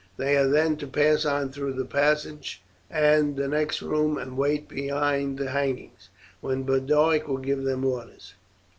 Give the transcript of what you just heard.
They are then to pass on through the passage and the next room and wait behind the hangings, when Boduoc will give them orders.